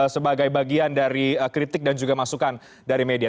sebagai bagian dari kritik dan juga masukan dari media